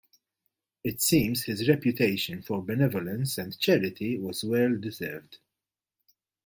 It seems his reputation for benevolence and charity was well deserved.